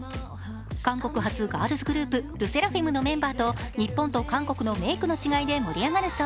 韓国発ガールズグループＬＥＳＳＥＲＡＦＩＭのメンバーと日本と韓国のメイクの違いで盛り上がるそう。